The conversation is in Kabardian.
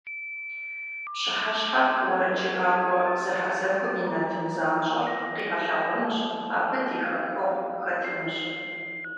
Пщыхьэщхьэ уэрэджыӏакӏуэ зэхьэзэхуэм и нэтын занщӏэр къигъэлъэгъуэнущ, абы ди хэкуэгъу хэтынущ.